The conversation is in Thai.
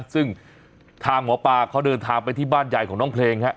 ซึ่งทางหมอปลาเขาเดินทางไปที่บ้านใหญ่ของน้องเพลง